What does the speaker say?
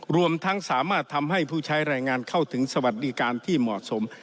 รวมทั้งสามารถทำให้ผู้ใช้แรงงานเข้าถึงสวัสดิการที่เหมาะสม